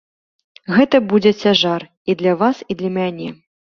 Гэта будзе цяжар і для вас, і для мяне.